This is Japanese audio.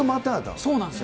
そうなんですよ。